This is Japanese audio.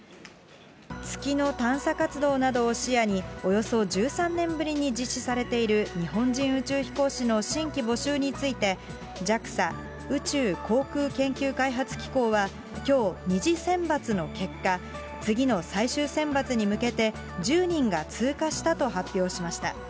月の探査活動などを視野に、およそ１３年ぶりに実施されている日本人宇宙飛行士の新規募集について、ＪＡＸＡ・宇宙航空研究開発機構は、きょう、２次選抜の結果、次の最終選抜に向けて、１０人が通過したと発表しました。